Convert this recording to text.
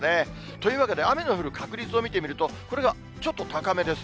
というわけで、雨の降る確率を見てみると、これがちょっと高めです。